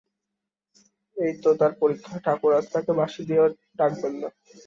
এই তো তার পরীক্ষা, ঠাকুর আজ তাকে বাঁশি দিয়েও ডাকবেন না।